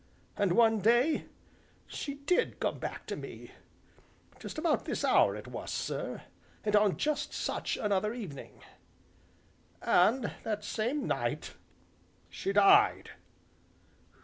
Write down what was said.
And one day she did come back to me just about this hour it was, sir, and on just such another evening; and that same night she died."